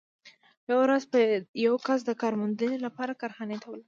یوه ورځ یو کس د کار موندنې لپاره کارخانې ته ولاړ